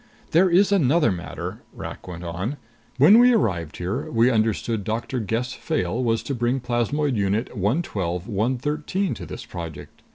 "There is another matter," Rak went on. "When we arrived here, we understood Doctor Gess Fayle was to bring Plasmoid Unit 112 113 to this project.